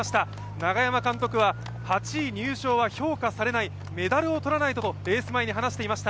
永山監督は８位入賞は評価されない、メダルを取らないととレース前に話していました。